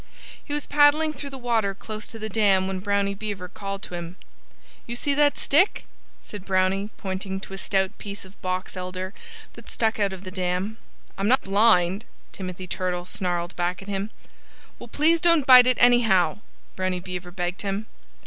He was paddling through the water close to the dam when Brownie Beaver called to him. "You see that stick??" said Brownie, pointing to a stout piece of box elder that stuck out of the dam. "I'm not blind," Timothy Turtle snarled back at him. "Well, please don't bite it, anyhow!" Brownie Beaver begged him.